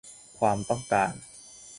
ความต้องการ